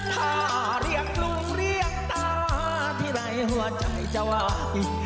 ถ้าเรียกลุงเรียกตาทีไรหัวใจจะวาย